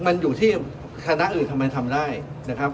มันอยู่ที่คณะอื่นทำไมทำได้นะครับ